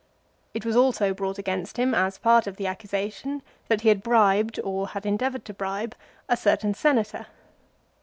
It was also brought against him as part of the accusation that he had bribed, or had endeavoured to bribe, a certain Senator.